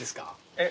えっ！